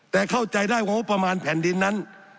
แต่เข้าใจได้ว่างบประมาณแผ่นดินนั้น